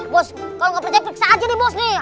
bos kalo gak percaya piksa aja deh bos nih